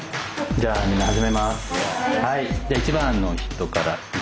じゃあ１番の人からいきます。